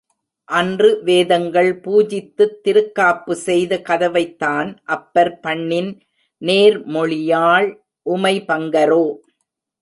அன்று வேதங்கள் பூஜித்துத் திருக்காப்பு செய்த கதவைத்தான் அப்பர், பண்ணின் நேர் மொழியாள் உமை பங்கரோ!